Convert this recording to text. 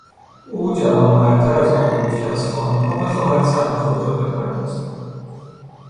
او جوانمردتر از آن بود که از خانمها بخواهد سهم خود را بپردازند.